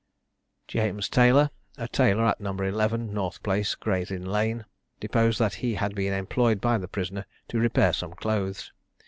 James Taylor, a tailor, at No. 11, North Place, Gray's Inn Lane, deposed that he had been employed by the prisoner to repair some clothes.